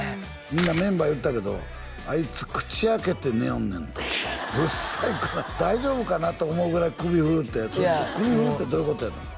みんなメンバー言ってたけど「あいつ口開けて寝よんねん」と不細工な大丈夫かなと思うぐらい首振るって首振るってどういうことやの？